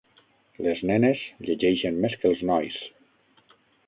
Les nenes llegeixen més que els nois.